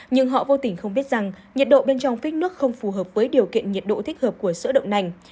nhưng họ vô tình không biết rằng nhiệt độ bên trong phích nước không phù hợp với điều kiện nhiệt độ thích hợp của sỡ động nành